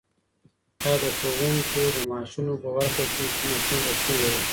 ایا د ښوونکو د معاشونو په ورکړه کې کومه ستونزه شتون لري؟